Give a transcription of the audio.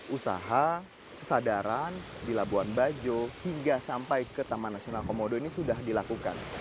usaha kesadaran di labuan bajo hingga sampai ke taman nasional komodo ini sudah dilakukan